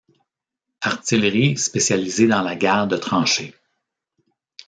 Artillerie spécialisée dans la guerre de tranchée.